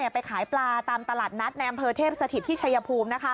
ไปขายปลาตามตลาดนัดในอำเภอเทพสถิตที่ชัยภูมิ